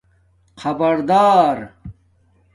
خبردار